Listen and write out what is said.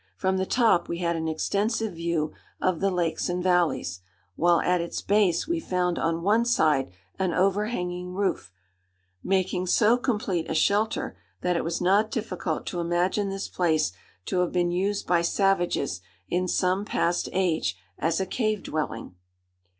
From the top we had an extensive view of the lakes and valleys; while at its base we found on one side an overhanging roof, making so complete a shelter, that it was not difficult to imagine this place to have been used by savages, in some past age, as a cave dwelling.